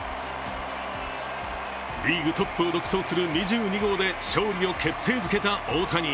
リーグトップを独走する２２号で勝利を決定づけた大谷。